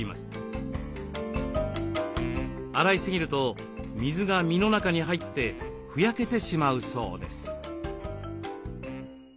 洗いすぎると水が身の中に入ってふやけてしまうそうです。